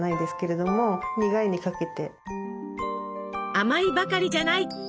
甘いばかりじゃない！